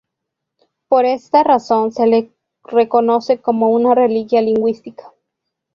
Por esta razón se le reconoce como una reliquia lingüística.